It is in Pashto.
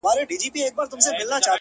ه ژوند به دي خراب سي داسي مه كــوه تـه ـ